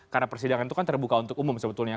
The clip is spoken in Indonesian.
karena persidangan itu kan terbuka untuk umum sebetulnya